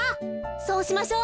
そうしましょう。